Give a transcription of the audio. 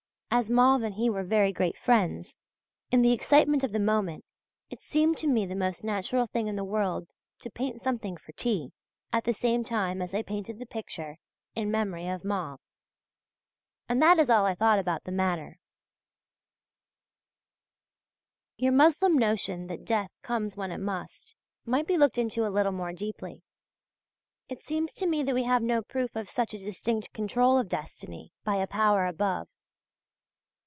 As Mauve and he were very great friends, in the excitement of the moment it seemed to me the most natural thing in the world to paint something for T. at the same time as I painted the picture "In Memory of Mauve." And that is all I thought about the matter. Your Moslem notion that death comes when it must, might be looked into a little more deeply. It seems to me that we have no proof of such a distinct control of destiny by a power above.